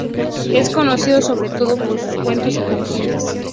Es conocido sobre todo por sus cuentos infantiles.